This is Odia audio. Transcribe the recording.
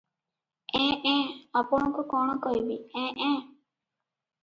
ଏଁ ଏଁ- ଆପଣଙ୍କୁ କଣ କହିବି- ଏଁ- ଏଁ ।